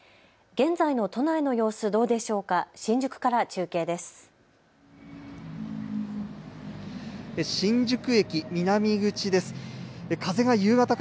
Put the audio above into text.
現在の都内の様子どうでしょうか。